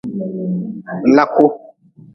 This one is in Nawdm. Laku.